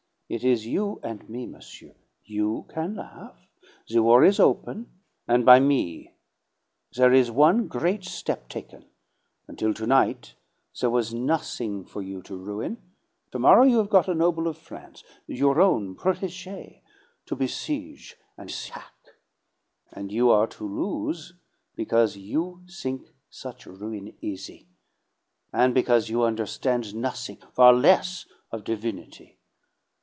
It is you and me, monsieur! You can laugh! The war is open', and by me! There is one great step taken: until to night there was nothing for you to ruin, to morrow you have got a noble of France your own protege to besiege and sack. And you are to lose, because you think such ruin easy, and because you understand nothing far less of divinity.